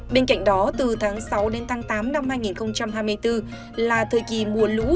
bên cạnh đó từ tháng sáu đến tháng tám năm hai nghìn hai mươi bốn là thời kỳ mùa lũ